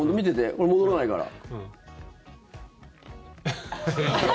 これ、戻らないから。